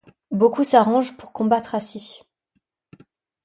Beaucoup s’arrangent pour combattre assis.